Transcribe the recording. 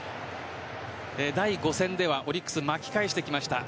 第５戦ではオリックス巻き返してきました。